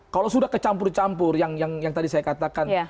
kalau sudah kecampur campur yang tadi saya katakan